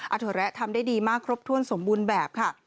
โถแระทำได้ดีมากครบถ้วนสมบูรณ์แบบค่ะ